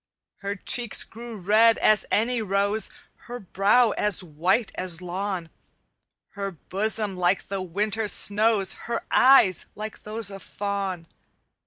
"Her cheeks grew red as any rose, Her brow as white as lawn, Her bosom like the winter snows, Her eyes like those of fawn.